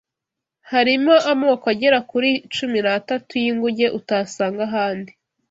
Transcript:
harimo amoko agera kuri cumi n’atatu y’inguge utasanga ahandi